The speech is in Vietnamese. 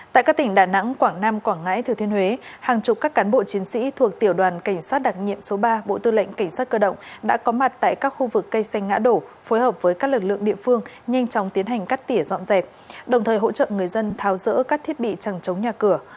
tại các tỉnh đà nẵng quảng nam quảng ngãi thừa thiên huế hàng chục các cán bộ chiến sĩ thuộc tiểu đoàn cảnh sát đặc nhiệm số ba bộ tư lệnh cảnh sát cơ động đã có mặt tại các khu vực cây xanh ngã đổ phối hợp với các lực lượng địa phương nhanh chóng tiến hành cắt tỉa dọn dẹp đồng thời hỗ trợ người dân tháo rỡ các thiết bị chẳng chống nhà cửa